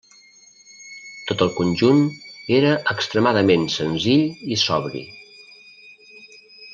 Tot el conjunt era extremadament senzill i sobri.